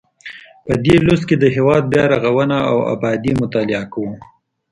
په دې لوست کې د هیواد بیا رغونه او ابادي مطالعه کوو.